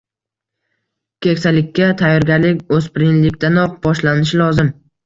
Keksalikka tayyorgarlik o’spirinlikdanoq boshlanishi lozim.